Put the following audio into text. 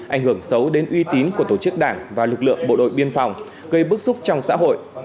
ảnh hưởng xấu đến uy tín của tổ chức đảng và lực lượng bộ đội biên phòng gây bức xúc trong xã hội